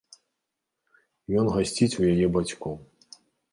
Ён гасціць у яе бацькоў.